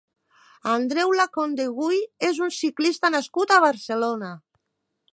Andreu Lacondeguy és un ciclista nascut a Barcelona.